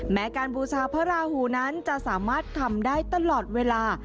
แม้การบูชาพระราหูนั้นจะสามารถทำได้ตลอดเวลา